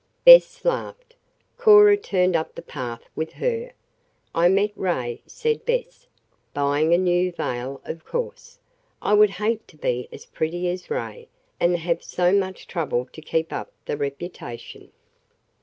Bess laughed. Cora turned up the path with her. "I met Ray," said Bess, "buying a new veil, of course. I would hate to be as pretty as Ray, and have so much trouble to keep up the reputation.